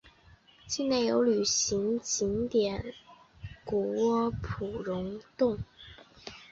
境内有旅游景点谷窝普熔洞。